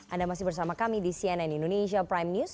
anda masih bersama kami di cnn indonesia prime news